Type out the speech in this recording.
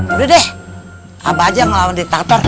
udah deh apa aja ngelawan diktator